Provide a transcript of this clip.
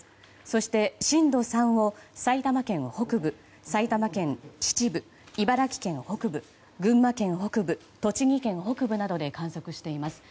そして震度３を埼玉県北部、埼玉県秩父茨城県北部、群馬県北部栃木県北部などで観測しています。